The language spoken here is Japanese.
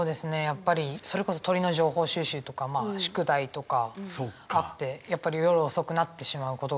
やっぱりそれこそ鳥の情報収集とか宿題とかあってやっぱり夜遅くなってしまうことが多いんで。